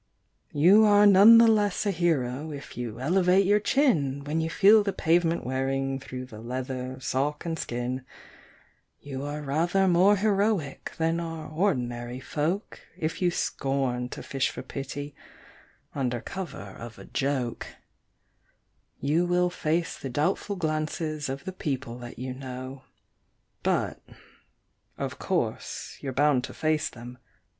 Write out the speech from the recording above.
You are none the less a hero if you elevate your chin When you feel the pavement wearing through the leather, sock and skin; You are rather more heroic than are ordinary folk If you scorn to fish for pity under cover of a joke; You will face the doubtful glances of the people that you know ; But of course, you're bound to face them when your pants begin to go.